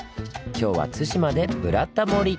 今日は対馬で「ブラタモリ」！